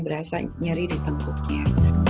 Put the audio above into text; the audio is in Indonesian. berasa nyeri di tengkuknya